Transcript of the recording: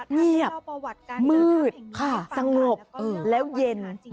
เงียบมืดสงบแล้วเย็น